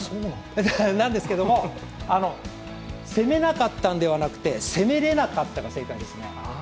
なんですけども、攻めなかったのではなくて攻めれなかったが正解ですね。